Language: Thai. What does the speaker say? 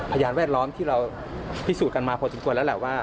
พยานแวดล้อมที่เราพิสูจน์กันมาพอจุดกว่าแล้ว